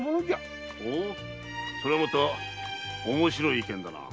ほそれはまた面白い意見だな。